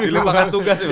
dilimpa kan tugas ya bang